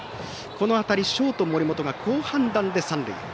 この当たり、ショート森本が好判断で三塁へ。